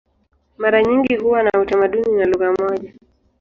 Mara nyingi huwa na utamaduni na lugha moja.